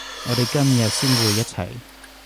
我哋今日先會一齊